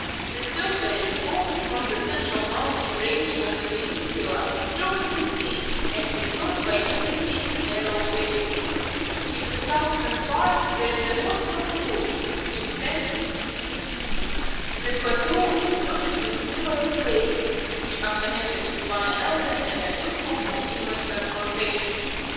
The .surface slopes from the central mountain range of the peninsula toward the sea and is crossed by many deep, narrow valleys. In the southern part there is a broad plateau, which extends into Sweden. The plateau is dotted with numerous lakes, which are connected with one another and are useful for inland trans portation.